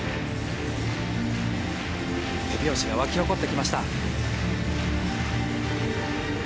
手拍子が湧き起こってきました。